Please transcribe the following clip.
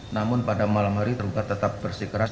namun pada malam hari tergugat tetap bersih keras